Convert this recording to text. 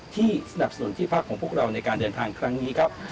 สนับสนุนที่พักของพวกเราในการเดินทางครั้งนี้ครับ